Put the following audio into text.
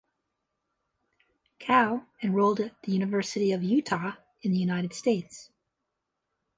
Kao enrolled at the University of Utah in the United States.